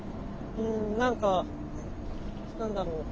何か何だろう。